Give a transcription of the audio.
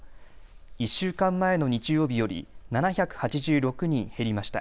１週間前の日曜日より７８６人減りました。